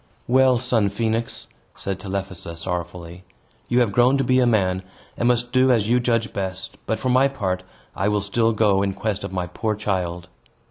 "Well, son Phoenix," said Telephassa, sorrowfully, "you have grown to be a man, and must do as you judge best. But, for my part, I will still go in quest of my poor child."